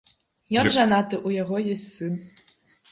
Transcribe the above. Ён жанаты, у яго ёсць сын.